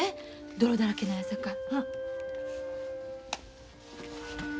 泥だらけなんやさかい。